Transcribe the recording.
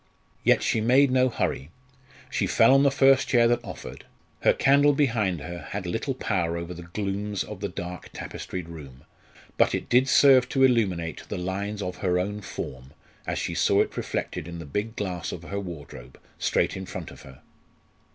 Yet she made no hurry. She fell on the first chair that offered. Her candle behind her had little power over the glooms of the dark tapestried room, but it did serve to illuminate the lines of her own form, as she saw it reflected in the big glass of her wardrobe, straight in front of her.